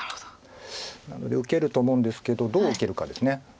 なので受けると思うんですけどどう受けるかです。